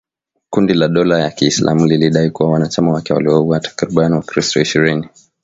Kundi la dola ya Kiislamu lilidai kuwa wanachama wake waliwaua takribani wakristo ishirini